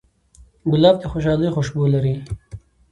ګلاب د خوشحالۍ خوشبو لري.